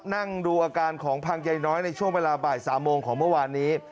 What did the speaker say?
นั่งดูอาการของพังใยน้อยในช่วงเวลาบ่าย๓โมงของเมื่อวานนี้